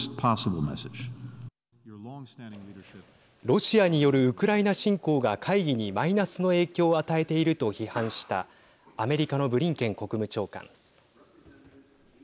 ロシアによるウクライナ侵攻が会議にマイナスの影響を与えていると批判したアメリカのブリンケン国務長官。